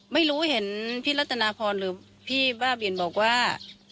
ไม่รู้เห็นพี่รัตนาพรหรือพี่บ้าบินบอกว่า